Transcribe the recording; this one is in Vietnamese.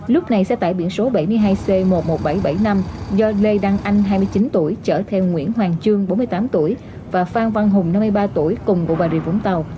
lúc này xe tải biển số bảy mươi hai c một mươi một nghìn bảy trăm bảy mươi năm do lê đăng anh hai mươi chín tuổi chở theo nguyễn hoàng trương bốn mươi tám tuổi và phan văn hùng năm mươi ba tuổi cùng ngụy vũng tàu